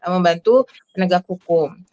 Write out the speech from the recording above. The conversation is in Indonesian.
membantu penegak hukum